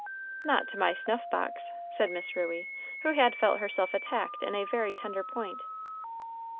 "Not to my snuff box," said Miss Ruey, who had felt herself attacked in a very tender point.